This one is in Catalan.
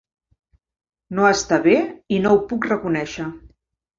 No està bé, i no ho puc reconèixer.